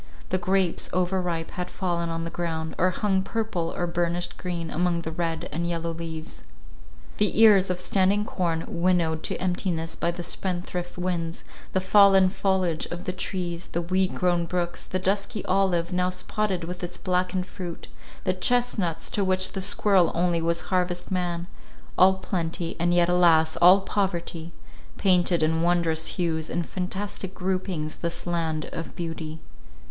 The grapes, overripe, had fallen on the ground, or hung purple, or burnished green, among the red and yellow leaves. The ears of standing corn winnowed to emptiness by the spendthrift winds; the fallen foliage of the trees, the weed grown brooks, the dusky olive, now spotted with its blackened fruit; the chestnuts, to which the squirrel only was harvest man; all plenty, and yet, alas! all poverty, painted in wondrous hues and fantastic groupings this land of beauty.